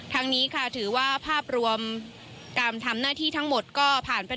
ทั้งนี้ค่ะถือว่าภาพรวมการทำหน้าที่ทั้งหมดก็ผ่านไป